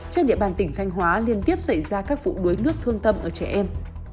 trên địa bàn tỉnh thanh hóa liên tiếp xảy ra các vụ đuối nước thương tâm ở trẻ em